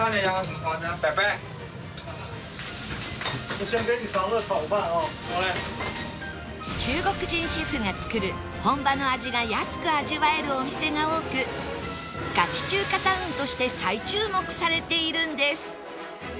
そう中国人シェフが作る本場の味が安く味わえるお店が多くガチ中華タウンとして再注目されているんです